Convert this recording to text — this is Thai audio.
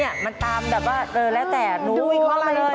มันตามแบบว่าเจอแล้วแต่หนูวิเคราะห์มาเลย